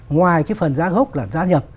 ngoài cái phần giá gốc là giá nhập